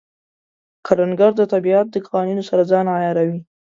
کروندګر د طبیعت د قوانینو سره ځان عیاروي